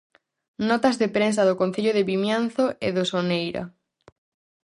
Notas de prensa do Concello de Vimianzo e do Soneira.